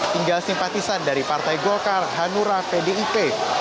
tinggal simpatisan dari partai golkar hanura pdip